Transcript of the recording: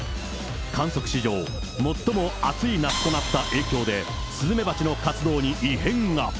観測史上最も暑い夏となった影響で、スズメバチの活動に異変が。